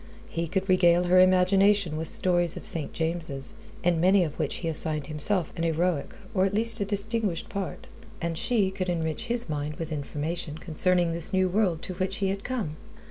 He could regale her imagination with stories of St. James's in many of which he assigned himself a heroic, or at least a distinguished part and she could enrich his mind with information concerning this new world to which he had come.